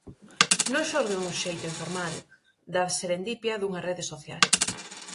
Non xorde un xeito informal, da "serendipia" dunha rede social.